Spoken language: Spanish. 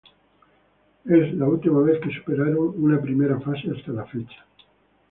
Es la última vez que superaron una primera fase hasta la fecha.